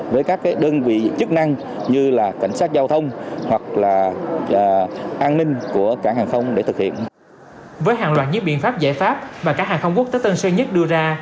với hàng loạt những biện pháp giải pháp mà cả hàng không quốc tế tân sư nhất đưa ra